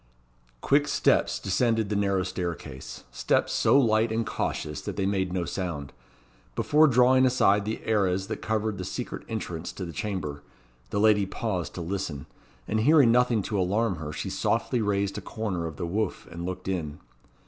Quick steps descended the narrow staircase steps so light and cautious that they made no sound. Before drawing aside the arras that covered the secret entrance to the chamber, the lady paused to listen; and hearing nothing to alarm her, she softly raised a corner of the woof and looked in.